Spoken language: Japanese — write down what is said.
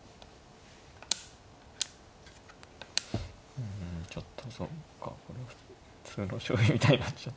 うんちょっとそうか普通の将棋みたいになっちゃう。